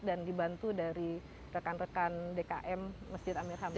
dan dibantu dari rekan rekan dkm masjid amir hamzah